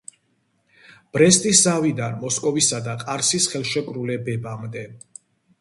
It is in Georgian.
ბრესტის ზავიდან მოსკოვისა და ყარსის ხელშეკრულებებამდე.